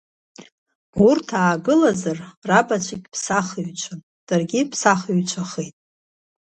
Урҭ аагылазаргьы рабацәагьы ԥсахыҩцәан, даргьы ԥсахыҩцәахеит.